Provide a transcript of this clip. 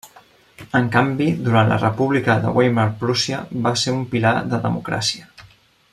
En canvi, durant la República de Weimar Prússia va ser un pilar de democràcia.